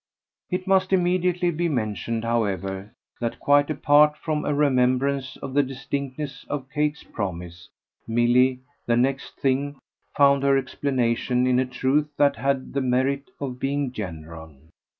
It must immediately be mentioned, however, that, quite apart from a remembrance of the distinctness of Kate's promise, Milly, the next thing, found her explanation in a truth that had the merit of being general.